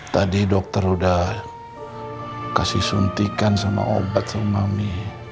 tadi dokter udah kasih suntikan sama obat sama mami